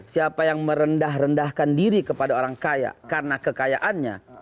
siapa yang merendah rendahkan diri kepada orang kaya karena kekayaannya